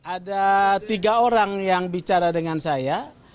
ada tiga orang yang bicara dengan saya